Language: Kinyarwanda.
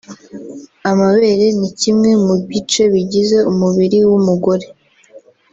Amabere ni kimwe mu bice bigize umubiri w’umugore